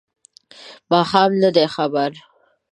ماښام نه دی خبر